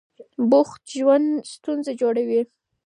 بوخت ژوند ستونزه جوړوي.